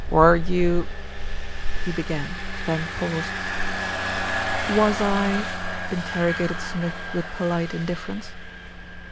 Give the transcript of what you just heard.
"Were you ?" he began, then paused. "Was I?" interrogated Smith with polite indiffer ence.